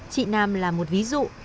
chị nam là một ví dụ